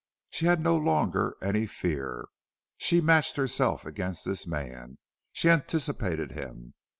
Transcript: She had no longer any fear. She matched herself against this man. She anticipated him.